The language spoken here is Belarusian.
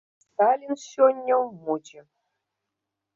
Сталін сёння ў модзе.